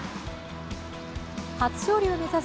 初勝利を目指す